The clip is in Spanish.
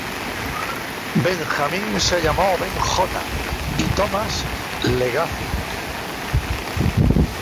Benjamín se llamó "Ben J" y Thomas, "Legacy".